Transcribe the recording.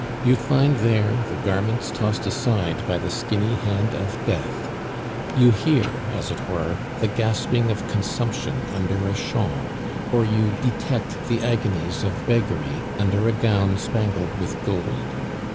You find there the garments tossed aside by the skinny hand of Death; you hear, as it were, the gasping of consumption under a shawl, or you detect the agonies of beggery under a gown spangled with gold.